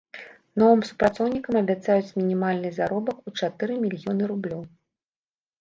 Новым супрацоўнікам абяцаюць мінімальны заробак у чатыры мільёны рублёў.